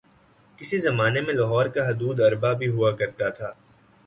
کسی زمانے میں لاہور کا حدوداربعہ بھی ہوا کرتا تھا